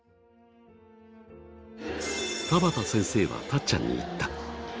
田畑先生はたっちゃんに言った。